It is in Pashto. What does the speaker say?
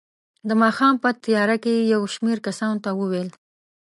د ماښام په تیاره کې یې یو شمېر کسانو ته وویل.